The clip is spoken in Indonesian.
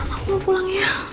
aku mau pulang ya